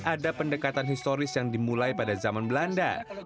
ada pendekatan historis yang dimulai pada zaman belanda